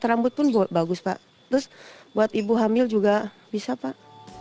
terus buat ibu hamil juga bisa pak